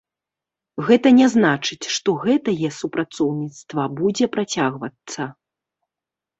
Гэта не значыць, што гэтае супрацоўніцтва будзе працягвацца.